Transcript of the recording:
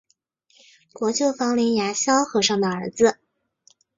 国舅房林牙萧和尚的儿子。